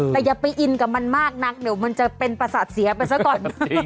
แต่อย่าไปอินกับมันมากนักเดี๋ยวมันจะเป็นประสาทเสียไปซะก่อน